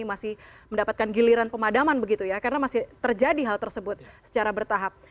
masih mendapatkan giliran pemadaman begitu ya karena masih terjadi hal tersebut secara bertahap